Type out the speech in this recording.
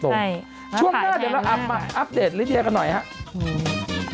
ช่วงนี้เดี๋ยวเราอำมาอัปเดตลิเดียกันหน่อยครับ